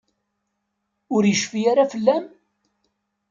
Ur yecfi ara fell-am?